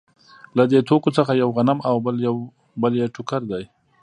له دې توکو څخه یو غنم او بل یې ټوکر دی